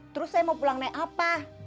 terus saya mau pulang naik apa